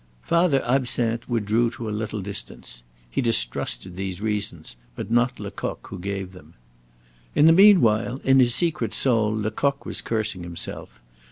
Father Absinthe withdrew to a little distance. He distrusted these reasons, but not Lecoq who gave them. In the mean while, in his secret soul, Lecoq was cursing himself.